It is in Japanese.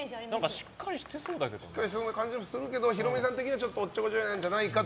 しっかりしてそうな感じもするけどヒロミさん的にはちょっとおっちょこちょいなんじゃ？